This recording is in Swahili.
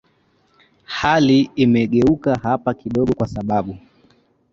hali imegeuka hapa kidogo kwa sababu